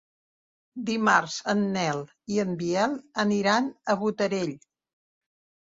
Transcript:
Dimarts en Nel i en Biel aniran a Botarell.